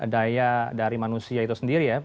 daya dari manusia itu sendiri ya